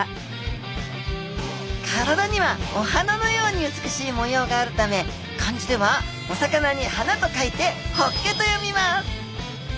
体にはお花のように美しい模様があるため漢字ではお魚に花と書いてホッケと読みます。